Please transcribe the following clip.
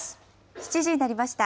７時になりました。